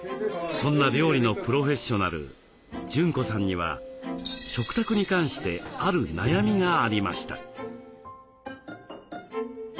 そんな料理のプロフェッショナル淳子さんには食卓に関してある悩みがありました。